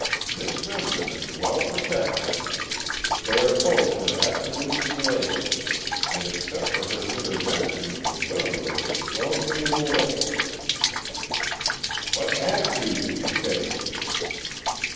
Miss Remsen is well protected. They are both her absolute slaves, and except for her intervention would willingly have thrown me in the lake." "What attitude did you take?"